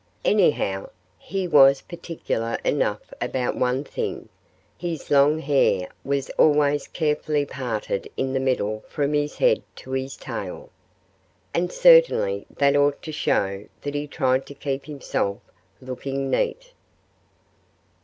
Anyhow, he was particular enough about one thing: his long hair was always carefully parted in the middle from his head to his tail. And certainly that ought to show that he tried to keep himself looking neat.